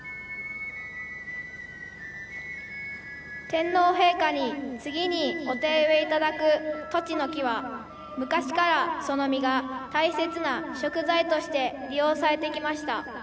天皇陛下に次にお手植えいただくトチノキは昔からその実が大切な食材として利用されてきました。